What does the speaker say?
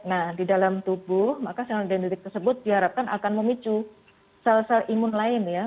nah di dalam tubuh maka sel dendritik tersebut diharapkan akan memicu sel sel imun lain ya